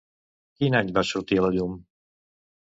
Quin any va sortir a la llum?